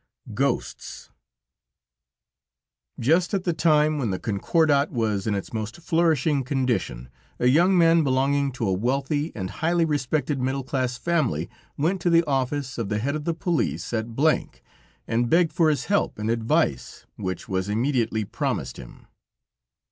GHOSTS Just at the time when the Concordat was in its most flourishing condition, a young man belonging to a wealthy and highly respected middle class family went to the office of the head of the police at P , and begged for his help and advice, which was immediately promised him.